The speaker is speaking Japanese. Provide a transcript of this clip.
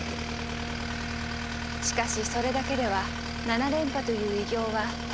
しかしそれだけでは７連覇という偉業は達成されなかったでしょう。